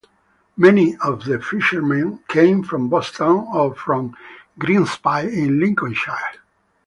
Many of the fishermen came from Boston or from Grimsby in Lincolnshire.